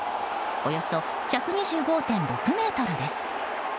およそ１２５．６ｍです。